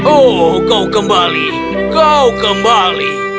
oh kau kembali kau kembali